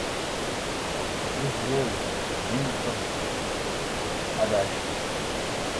• Yuz yo‘l — ming xil adashuv.